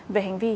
về hành vi